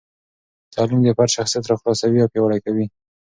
تعلیم د فرد شخصیت راخلاصوي او پیاوړي کوي.